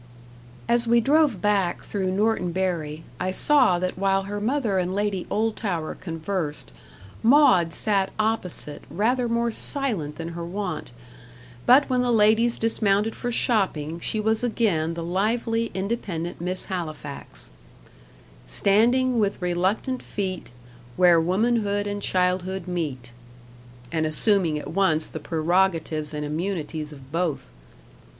As we drove back through Norton Bury, I saw that while her mother and Lady Oldtower conversed, Maud sat opposite rather more silent than her wont; but when the ladies dismounted for shopping, she was again the lively independent Miss Halifax, "Standing with reluctant feet, Where womanhood and childhood meet;" and assuming at once the prerogatives and immunities of both.